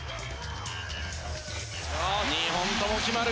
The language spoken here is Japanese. ２本とも決まる！